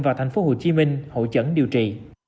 vào thành phố hồ chí minh hỗ trấn điều trị